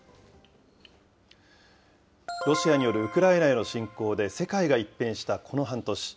ロシアによるウクライナの侵攻で世界が一変したこの半年。